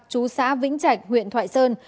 chú xã vĩnh trạch huyện thoại sơn